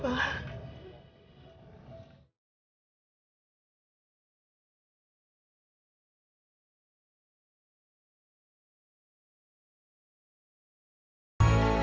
yang mengobati aku